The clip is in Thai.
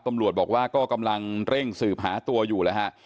ตำรวจบอกว่าก็กำลังเร่งสืบหาตัวอยู่แล้วฮะ